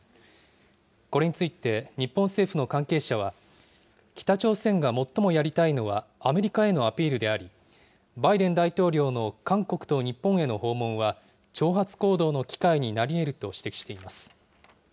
これについて、日本政府の関係者は、北朝鮮が最もやりたいのは、アメリカへのアピールであり、バイデン大統領の韓国と日本への訪問は、挑発行動の機会になりえると指摘しています。